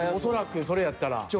恐らくそれやったら。